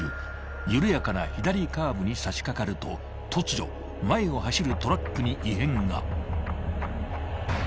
緩やかな左カーブに差し掛かると突如前を走るトラックに異変が］